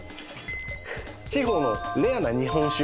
地方のレアな日本酒。